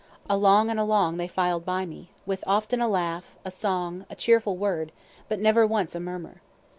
Along and along they filed by me, with often a laugh, a song, a cheerful word, but never once a murmur.